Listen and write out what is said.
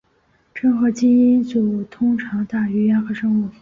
真核基因组通常大于原核生物。